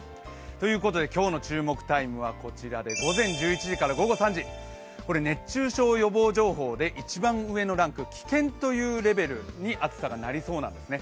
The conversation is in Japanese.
ということで、今日の注目タイムはこちらで、午前１１時から午後３時、熱中症予防情報で一番上のランク、危険というレベルに暑さがなりそうなんですね。